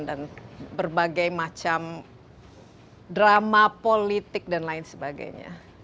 dan berbagai macam drama politik dan lain sebagainya